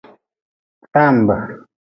Tambe.